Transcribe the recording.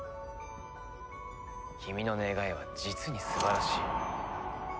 君の願いは実に素晴らしい。